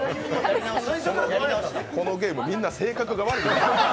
このゲーム、みんな性格が悪い。